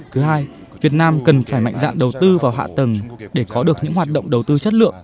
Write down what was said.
thứ hai việt nam cần phải mạnh dạng đầu tư vào hạ tầng để có được những hoạt động đầu tư chất lượng